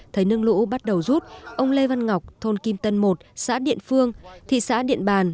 thấy nước lũ bắt đầu rút ông lê văn ngọc thôn kim tân một xã điện phương thị xã điện bàn